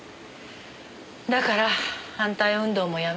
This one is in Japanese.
だから反対運動もやめた。